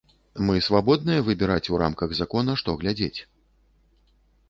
Мы свабодныя выбіраць у рамках закона, што глядзець.